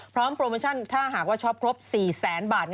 พร้อมโปรโมชั่นถ้าหากว่าช้อปครบ๔๐๐๐๐๐บาท